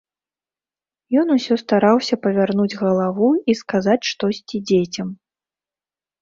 Ён усё стараўся павярнуць галаву і сказаць штосьці дзецям.